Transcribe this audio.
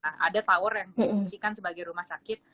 ada tower yang dipungsikan sebagai rumah sakit